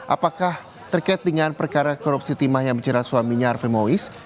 apakah terkait dengan perkara korupsi timah yang menjerat suaminya harve mois